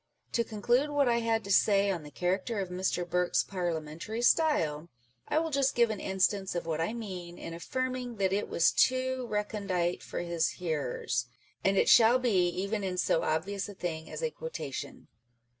To conclude what I had to say Writing and Speaking. 377 on the character of Mr. Burke's parliamentary style, I will just give an instance of what I mean in affirming that it was too recondite for his hearers ; and it shall be even in so obvious a thing as a quotation.